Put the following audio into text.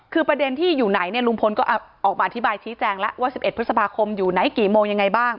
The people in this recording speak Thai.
คือประเด็นที่อยู่ไหนเนี่ยลุงพลก็ออกมาอธิบายชี้แจงแล้วว่า๑๑พฤษภาคมอยู่ไหนกี่โมงยังไงบ้าง